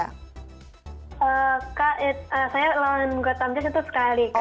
kak saya lawan gotham chess itu sekali